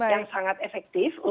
yang sangat efektif